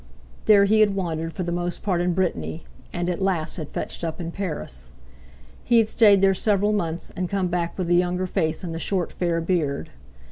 There he had wandered, for the most part in Brittany, and at last had fetched up in Paris. He had stayed there several months, and come back with the younger face and the short fair beard.